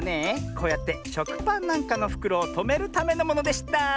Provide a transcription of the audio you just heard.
こうやってしょくパンなんかのふくろをとめるためのものでした！